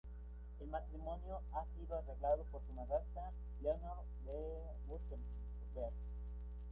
El matrimonio ha sido arreglado por su madrastra, Leonor de Wurtemberg.